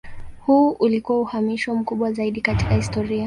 Huu ulikuwa uhamisho mkubwa zaidi katika historia.